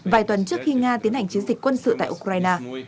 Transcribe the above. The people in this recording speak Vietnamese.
vài tuần trước khi nga tiến hành chiến dịch quân sự tại ukraine